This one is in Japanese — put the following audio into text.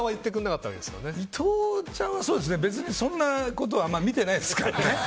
伊藤ちゃんは別にそんなこと見てないですからね。